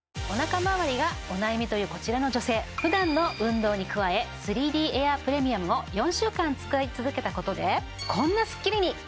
おなかまわりがお悩みというこちらの女性ふだんの運動に加え３Ｄエアープレミアムを４週間使い続けたことでこんなすっきりに！